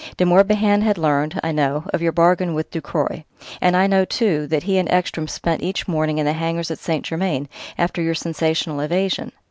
De Morbihan had learned I know of your bargain with Ducroy; and I know, too, that he and Ekstrom spent each morning in the hangars at St. Germain, after your sensational evasion.